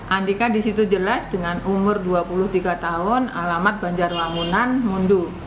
andika disitu jelas dengan umur dua puluh tiga tahun alamat banjar langunan mundur